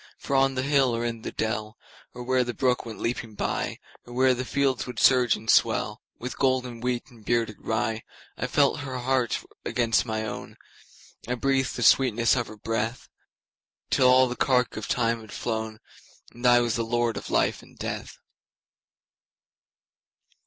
For on the hill or in the dell, Or where the brook went leaping byOr where the fields would surge and swellWith golden wheat or bearded rye,I felt her heart against my own,I breathed the sweetness of her breath, Till all the cark of time had flown, And I was lord of life and death.